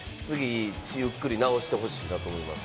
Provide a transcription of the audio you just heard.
ゆっくり治してほしいなと思いますね。